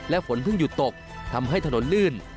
ฝนเพิ่งหยุดตกทำให้ถนนลื่น